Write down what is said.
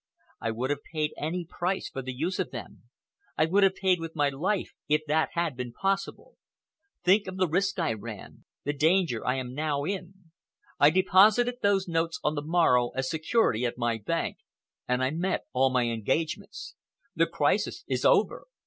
I would have paid any price for the use of them. I would have paid with my life, if that had been possible. Think of the risk I ran—the danger I am now in. I deposited those notes on the morrow as security at my bank, and I met all my engagements. The crisis is over!